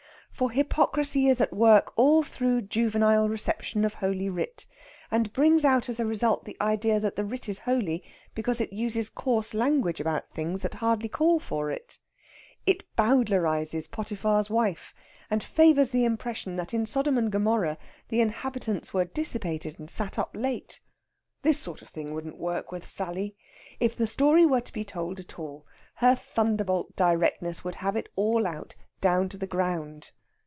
For hypocrisy is at work all through juvenile reception of Holy Writ, and brings out as a result the idea that that writ is holy because it uses coarse language about things that hardly call for it. It Bowdlerises Potiphar's wife, and favours the impression that in Sodom and Gomorrah the inhabitants were dissipated and sat up late. This sort of thing wouldn't work with Sally. If the story were to be told at all, her thunderbolt directness would have it all out, down to the ground.